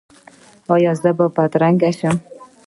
ایا زه به بدرنګه شم؟